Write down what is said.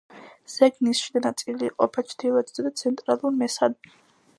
ზეგნის შიდა ნაწილი იყოფა ჩრდილოეთისა და ცენტრალურ მესად.